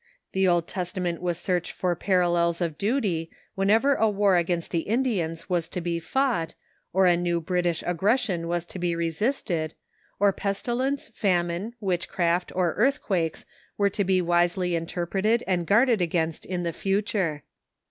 The Old Testament was searched for parallels of duty whenever a war against the Indians was to be fought, or a new British aggression was to be resisted, or pestilence, fam ine, witchcraft, or earthquakes were to be wisely interpreted and guarded against in the future.